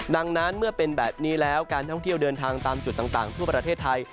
ดังนั้นเมื่อเป็นแบบนี้แล้วการท่องเที่ยวเดินทางตามจุดต่างทั่วประเทศไทย